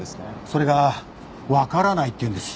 それがわからないって言うんです。